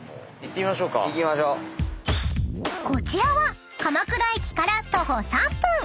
［こちらは鎌倉駅から徒歩３分］